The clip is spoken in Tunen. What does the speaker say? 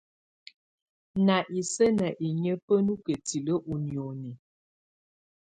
Ná isǝ́ ná inyǝ́ bá nɔ kǝ́tilǝ́ i nioni.